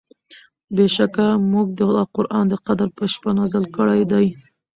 بېشکه مونږ دا قرآن د قدر په شپه نازل کړی دی